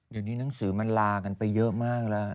เดี๋ยวนิสินังสือมันลากันไปเยอะมาก